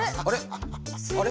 あれ？